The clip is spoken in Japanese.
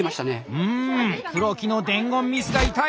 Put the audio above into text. うん黒木の伝言ミスが痛い！